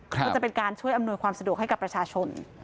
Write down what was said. ก็จะเป็นการช่วยอำนวยความสะดวกให้กับประชาชน